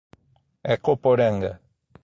Ecoporanga